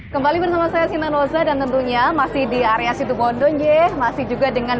kembali bersama saya sinta rosa dan tentunya masih di area situ bondo nyeh masih juga dengan